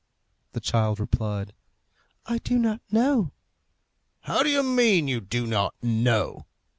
The child replied, "I do not know." "How do you mean? you don't know?"